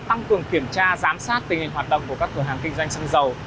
tăng cường kiểm tra giám sát tình hình hoạt động của các cửa hàng kinh doanh xăng dầu